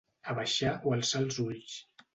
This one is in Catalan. Abaixar o alçar els ulls.